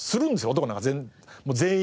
男なんかもう全員。